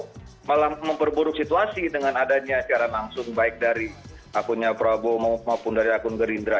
itu malah memperburuk situasi dengan adanya siaran langsung baik dari akunnya prabowo maupun dari akun gerindra